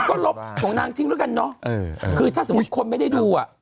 ก็ลบของนางทิ้งแล้วกันเนอะคือถ้าสมมุติคนไม่ได้ดูอ่ะ